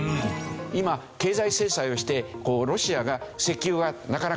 今経済制裁をしてロシアが石油はなかなか売れなくなった。